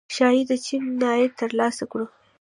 ښايي د چین تائید ترلاسه کړو